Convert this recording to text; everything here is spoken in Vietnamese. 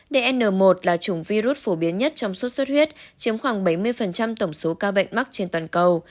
dn một là chủng virus phổ biến nhất trong suốt suốt huyết chiếm khoảng bảy mươi tổng số ca bệnh mắc trên toàn cầu